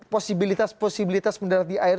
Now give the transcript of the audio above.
posibilitas posibilitas mendarat di air